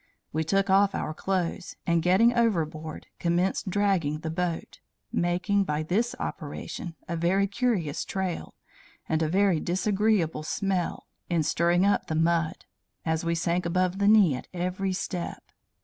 We took off our clothes, and, getting overboard, commenced dragging the boat making, by this operation, a very curious trail, and a very disagreeable smell in stirring up the mud, as we sank above the knee at every step.